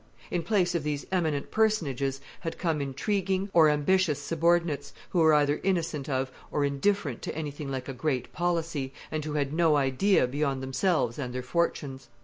In place of these eminent personages had come intriguing or ambitious subordinates, who were either innocent of or indifferent to anything like a great policy, and who had no idea beyond themselves and their fortunes.